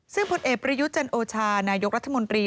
ซึ่งผลเอกประยุทธ์จันโอชานายกรัฐมนตรี